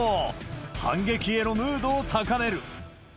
反撃へのムードを高める。